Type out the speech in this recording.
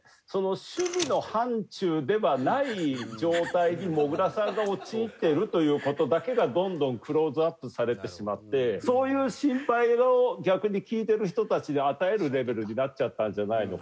趣味の範疇ではない状態にもぐらさんが陥ってるという事だけがどんどんクローズアップされてしまってそういう心配を逆に聞いてる人たちに与えるレベルになっちゃったんじゃないのかなと。